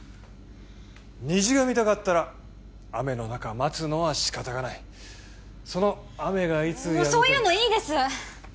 虹が見たかったら雨の中待つのは仕方がないその雨がいつやむかはもうそういうのいいです